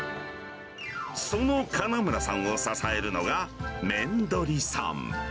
その金村さんを支えるのが、妻鳥さん。